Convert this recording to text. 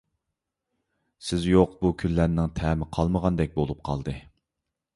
سىز يوق بۇ كۈنلەرنىڭ تەمى قالمىغاندەك بولۇپ قالدى.